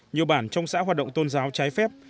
nhiều bản trong xã hoạt động tôn giáo trái phép